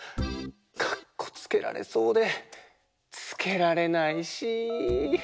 かっこつけられそうでつけられないし。